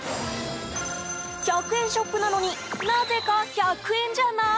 １００円ショップなのになぜか１００円じゃない。